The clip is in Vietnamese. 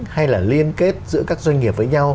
hay là liên kết giữa các doanh nghiệp với nhau